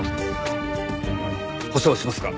保証しますか？